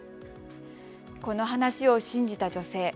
この話を信じた女性。